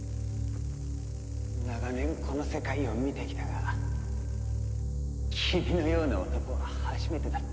長年この世界を見てきたが君のような男は初めてだった。